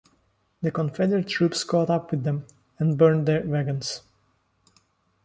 The Confederate troops caught up with them and burned the wagons.